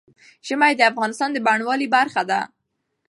ژمی د افغانستان د بڼوالۍ برخه ده.